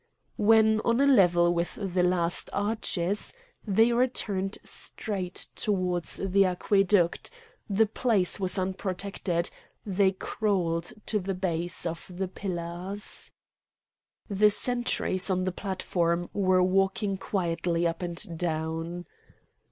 When on a level with the last arches they returned straight towards the aqueduct; the place was unprotected: they crawled to the base of the pillars. The sentries on the platform were walking quietly up and down.